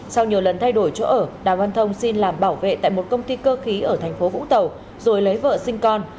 sau nhiều lần thay đổi chỗ ở đàm văn thông xin làm bảo vệ tại một công ty cơ khí ở thành phố vũng tàu rồi lấy vợ sinh con